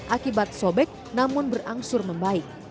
akibat sobek namun berangsur membaik